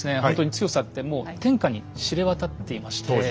ほんとに強さってもう天下に知れ渡っていまして。